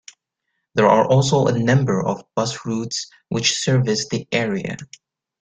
There are also a number of bus routes which service the area.